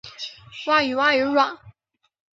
鲑鱼鲑鱼卵